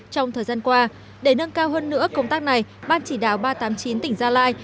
trong thời gian qua để nâng cao hơn nữa công tác này ban chỉ đạo ba trăm tám mươi chín tỉnh gia lai